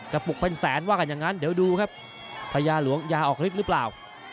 ปุกเป็นแสนว่ากันอย่างนั้นเดี๋ยวดูครับพญาหลวงยาออกฤทธิ์หรือเปล่า